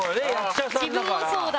自分もそうだ。